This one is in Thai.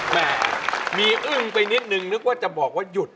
แม่มีอึ้งไปนิดนึงนึกว่าจะบอกว่าหยุด